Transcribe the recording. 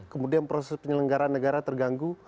kemudian proses penyelenggaraan negara terganggu